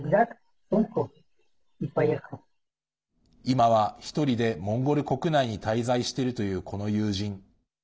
今は１人でモンゴル国内に滞在しているという、この友人。